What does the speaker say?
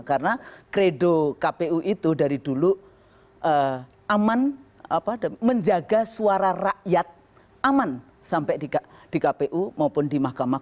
karena kredo kpu itu dari dulu aman menjaga suara rakyat aman sampai di kpu maupun di mahkamah